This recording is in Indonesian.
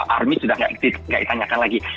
army sudah tidak ditanyakan lagi